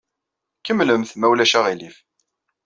Kemmlemt, ma ulac aɣilif.